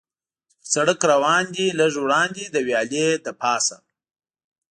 چې پر سړک څه روان دي، لږ وړاندې د ویالې له پاسه.